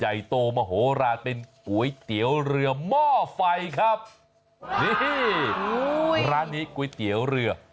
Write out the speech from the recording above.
ใหญ่โตมโหลานเป็นก๋วยเตี๋ยวเรือหม้อไฟครับนี่ร้านนี้ก๋วยเตี๋ยวเรือ